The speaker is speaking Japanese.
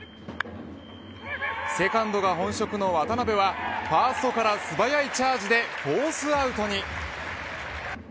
セカンドが本職の渡邉はファーストから素早いチャージでフォースアウトに。